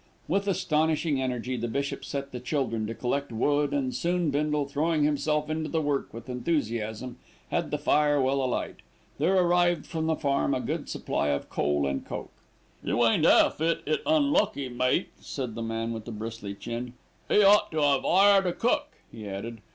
With astonishing energy, the bishop set the children to collect wood, and soon Bindle, throwing himself into the work with enthusiasm, had the fire well alight. There had arrived from the farm a good supply of coal and coke. "You ain't 'alf 'it it unlucky, mate," said the man with the bristly chin. "'E ought to 'ave 'ired a cook," he added.